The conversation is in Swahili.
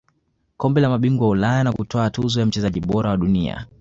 kombe la mabingwa Ulaya na kutwaa tuzo ya mchezaji bora wa dunia